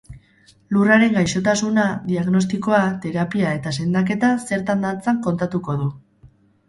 Lurraren gaixotasuna, diagnostikoa, terapia eta sendaketa zertan datzan kontatuko du.